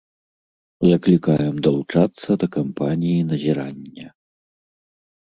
Заклікаем далучацца да кампаніі назірання.